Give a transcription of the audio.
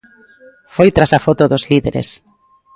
Foi tras a foto dos líderes.